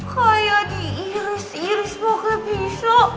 kayak diiris iris pakai pisau